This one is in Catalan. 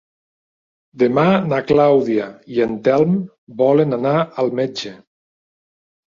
Demà na Clàudia i en Telm volen anar al metge.